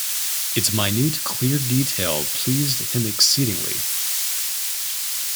Its minute, clear detail pleased him exceedingly.